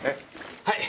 はい！